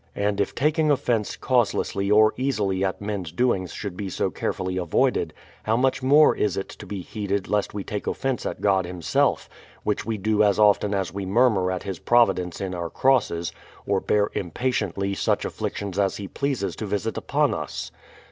And if taking offence causelessly or easily at men's doings should be so carefully avoided, how much more is it to be heeded lest we take offence at God himself, — which we do as often as we murmur at His provi dence in our crosses, or bear impatiently such afflictions as He pleases to visit upon us.